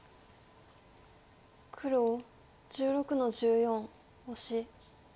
黒１６の十四オシ。